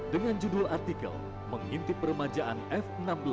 dengan judul artikel mengintip permajaan f enam belas